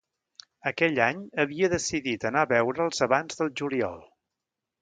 Aquell any havia decidit anar a veure'ls abans del juliol.